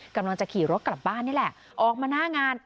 กำลังจะขี่รถกลับบ้านนี่แหละออกมาหน้างาน